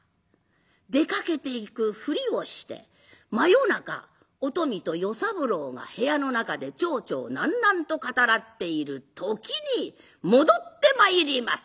出かけていくふりをして真夜中お富と与三郎が部屋の中で喋々喃々と語らっている時に戻ってまいります。